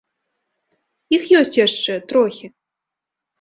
Іх ёсць яшчэ, трохі.